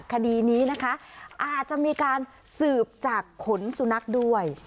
คดีนี้นะคะอาจจะมีการสืบจากขนสุนัขด้วย